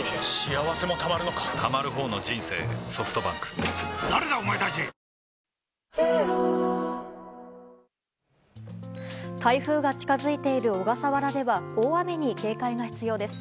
すっかり台風が近づいている小笠原では大雨に警戒が必要です。